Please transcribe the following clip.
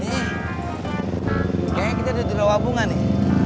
nih kayaknya kita udah di lawa bunga nih